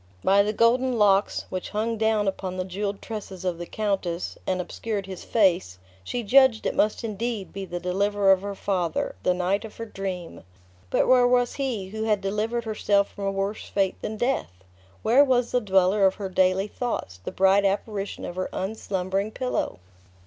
By the golden locks, which hung down upon the jeweled tresses of the countess, and obscured his face, she judged it must indeed be the deliverer of her father, the knight of her dream. But where was he, who had delivered herself from a worse fate than death? Where was the dweller of her daily thoughts, the bright apparition of her unslumbering pillow?